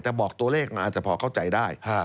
แต่บอกตัวเลขมาอาจจะพอเข้าใจได้